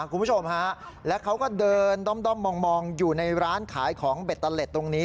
คุณผู้ชมฮะแล้วเขาก็เดินด้อมมองอยู่ในร้านขายของเบตเตอร์เล็ตตรงนี้